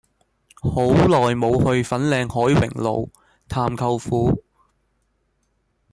好耐無去粉嶺凱榮路探舅父